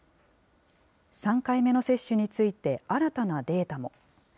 ３回目の接種について新たなデータも。